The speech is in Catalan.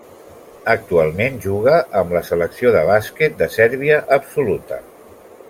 Actualment juga amb la selecció de bàsquet de Sèrbia absoluta.